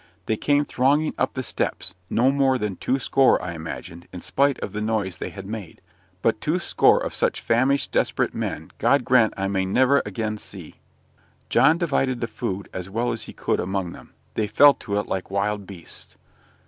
They came thronging up the steps, not more than two score, I imagined, in spite of the noise they had made. But two score of such famished, desperate men, God grant I may never again see! John divided the food as well as he could among them; they fell to it like wild beasts.